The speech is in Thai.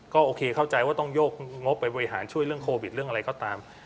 ก็โอเคเข้าใจว่าต้องโยกงบไปบริหารช่วยเรื่องโควิดเรื่องอะไรก็ตาม